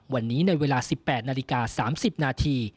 วันนี้ในเวลา๑๘นาฬิกา๓๐นาที